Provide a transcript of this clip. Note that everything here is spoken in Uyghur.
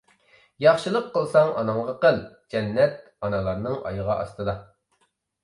ياخشىلىق قىلساڭ ئاناڭغا قىل، جەننەت ئانىلارنىڭ ئايىغى ئاستىدا!